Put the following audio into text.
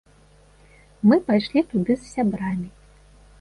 Мы пайшлі туды з сябрамі.